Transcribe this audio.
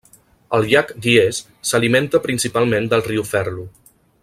El llac Guiers s'alimenta principalment del riu Ferlo.